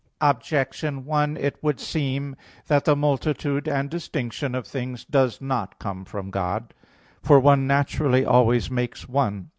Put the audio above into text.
Objection 1: It would seem that the multitude and distinction of things does not come from God. For one naturally always makes one.